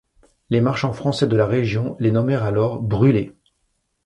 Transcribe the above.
Les marchands français de la région les nommèrent alors Brûlés.